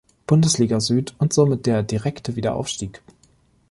Bundesliga Süd und somit der direkte Wiederaufstieg.